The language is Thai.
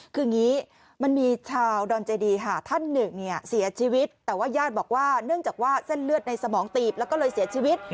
คือเงี้ยมันมีชาวดอนเจดีท่านหนึ่งเนี่ย